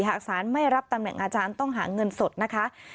หากสารไม่รับตำแหน่งอาจารย์ต้องหาเงินสดนะคะ